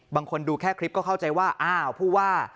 บางคนดูแค่คลิปก็เข้าใจว่าอ้าวผู้ว่า